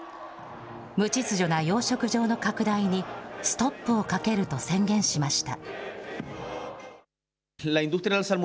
無秩序な養殖場の拡大に、ストップをかけると宣言しました。